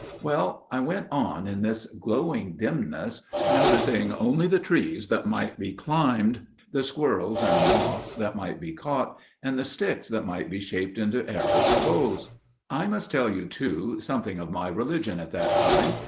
Well, I went on in this glowing dimness, noticing only the trees that might be climbed, the squirrels and moths that might be caught, and the sticks that might be shaped into arrows or bows. "I must tell you, too, something of my religion at that time.